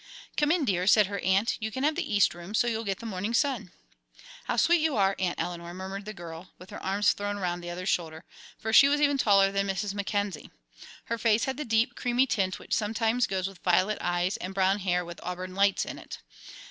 "Come in, dear," said her aunt. "You can have the east room, so you'll get the morning sun." "How sweet you are, Aunt Eleanor," murmured the girl, with her arm thrown around the other's shoulders, for she was even taller than Mrs. Mackenzie. Her face had the deep, creamy tint which sometimes goes with violet eyes and brown hair with auburn lights in it.